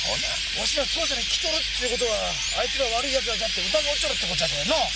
わしら捜査に来ちょるっちゅう事はあいつら悪い奴らじゃって疑うちょるって事じゃけぇのぅ。